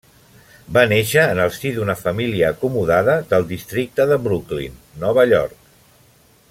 Va néixer en el si d'una família acomodada del districte de Brooklyn, Nova York.